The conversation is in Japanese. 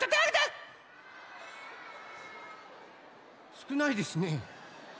すくないですね。